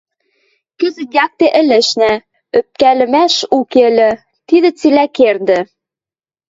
Кӹзӹт якте ӹлӹшнӓ, ӧпкӓлӹмӓш уке ыльы, тӹдӹ цилӓ кердӹ!